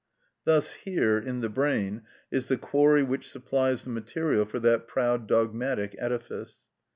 Thus, here, in the brain, is the quarry which supplies the material for that proud dogmatic edifice.